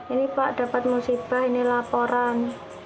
ini pak dapat musibah ini laporan